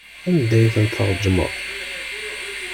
Anda ay ten-tṛejmeḍ?